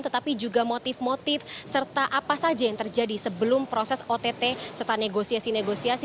tetapi juga motif motif serta apa saja yang terjadi sebelum proses ott serta negosiasi negosiasi